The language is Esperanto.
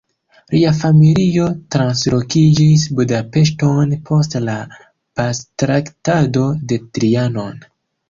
Lia familio translokiĝis Budapeŝton post la Pactraktato de Trianon.